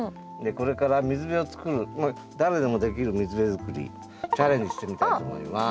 これから水辺を作る誰でもできる水辺作りチャレンジしてみたいと思います。